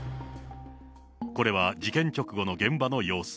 これは事件直後の現場の様子。